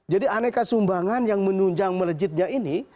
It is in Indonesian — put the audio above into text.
jadi aneka sumbangan yang menunjang melejitnya ini